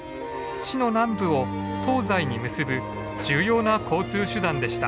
市の南部を東西に結ぶ重要な交通手段でした。